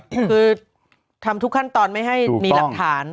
คือทำทุกขั้นตอนไม่ให้มีหลักฐาน